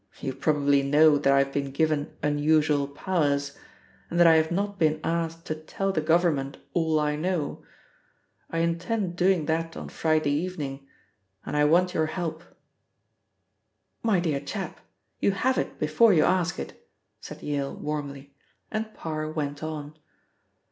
You probably know that I have been given unusual powers, and that I have not been asked to tell the Government all I know. I intend doing that on Friday evening, and I want your help." "My dear chap, you have it before you ask it," said Yale warmly, and Parr went on.